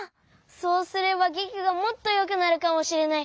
そうすればげきがもっとよくなるかもしれない。